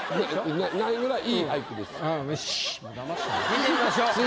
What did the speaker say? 聞いてみましょう。